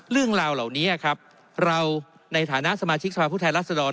เรื่องราวเหล่านี้ครับเราในฐานะสมาชิกสภาพผู้แทนรัศดร